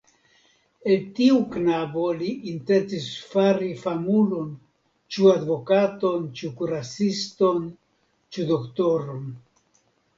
El tiu knabo li intencis fari famulon, ĉu advokaton, ĉu kuraciston, ĉu doktoron.